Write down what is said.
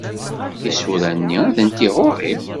Tisura-nni atenti ɣur-i.